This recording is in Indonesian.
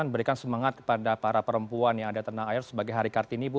berikan semangat kepada para perempuan yang ada tanah air sebagai hari kartini bu